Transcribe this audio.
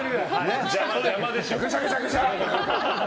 ぐしゃぐしゃぐしゃっ。